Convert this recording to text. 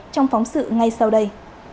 trong phóng sự ngay sau đây